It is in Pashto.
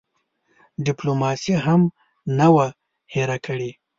ډیپلوماسي هم نه وه هېره کړې.